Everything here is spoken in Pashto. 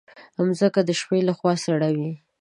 مځکه د شپې له خوا سړه وي.